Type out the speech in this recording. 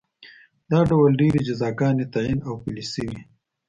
دا ډول ډېرې جزاګانې تعین او پلې شوې